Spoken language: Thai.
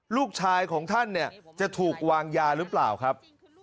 ลูกชายของท่านเนี่ยจะถูกวางยาหรือเปล่าครับ